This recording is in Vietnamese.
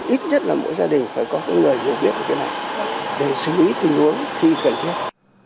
ít nhất là mỗi gia đình phải có người hiểu biết về cái này để xử lý tình huống khi cần thiết